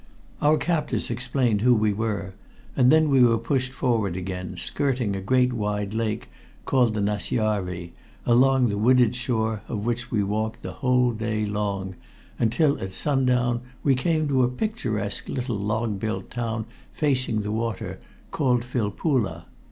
Our captors explained who we were, and then we were pushed forward again, skirting a great wide lake called the Nasjarvi, along the wooded shore of which we walked the whole day long until, at sundown, we came to a picturesque little log built town facing the water, called Filppula.